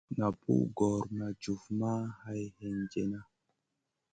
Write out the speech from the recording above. Naʼ pug gor ma jufma hay hendjena.